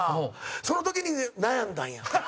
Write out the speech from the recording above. その時に悩んだんや。